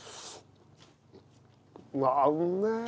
うわうめえ！